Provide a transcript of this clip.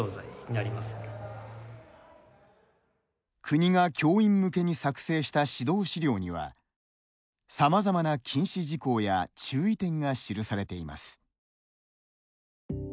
国が教員向けに作成した指導資料にはさまざまな禁止事項や注意点が記されています。